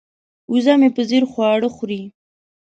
وزه مې په ځیر خواړه خوري.